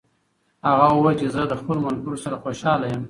هغه وویل چې زه له خپلو ملګرو سره خوشحاله یم.